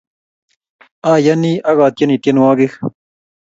Ayene ak atyeni tyenwogik